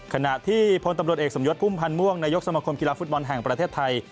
ขณะที่พลตำรวจเอกสมยศพุ่มพันธ์ม่วงนายกสมคมกีฬาฟุตบอลแห่งประเทศไทย